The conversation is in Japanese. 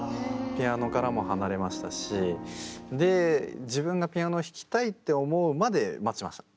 ピアノからも離れましたしで自分がピアノを弾きたいって思うまで待ちました。